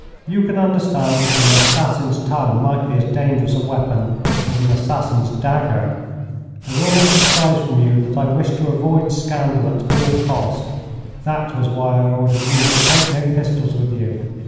'You can understand that an assassin's tongue might be as dangerous a weapon as an assassin's dagger. I will not disguise from you that I wished to avoid scandal at all cost. That was why I ordered you to take no pistols with you.